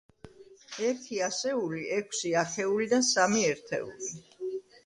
ერთი ასეული, ექვსი ათეული და სამი ერთეული.